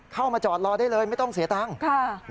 เข้ามาจอดรอได้เลยไม่ต้องเสียตังค์